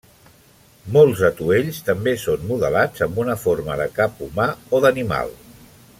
Molts atuells també són modelats amb una forma de cap humà o d'animal.